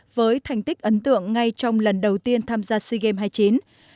với thành tích ấn tượng ngay trong lần đầu tiên tham gia sea games hai mươi chín